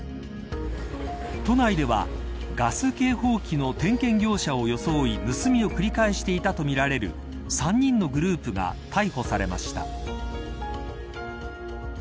都内ではガス警報器の点検業者を装い盗みを繰り返していたとみられる３人のグループが逮捕されました。